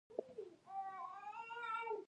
افغانستان کې د ژمی لپاره دپرمختیا پروګرامونه شته.